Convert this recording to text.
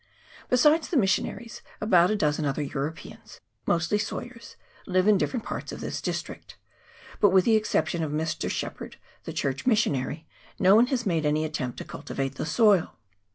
Besides the missionaries, about a dozen other Eu ropeans, mostly sawyers, live in different parts of this district ; but, with the exception of Mr. Shep herd, the Church missionary, no one has made any attempt to cultivate the soil.